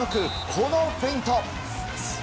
このフェイント！